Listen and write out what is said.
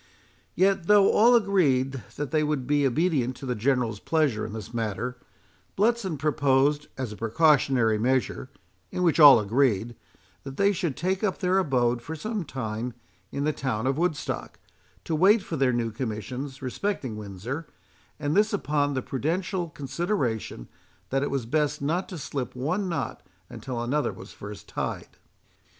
Yet though all agreed that they would be obedient to the General's pleasure in this matter, Bletson proposed, as a precautionary measure, in which all agreed, that they should take up their abode for some time in the town of Woodstock, to wait for their new commissions respecting Windsor; and this upon the prudential consideration, that it was best not to slip one knot until another was first tied.